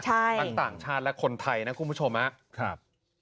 ใช่ต่างชาติและคนไทยนะคุณผู้ชมน่ะค่ะ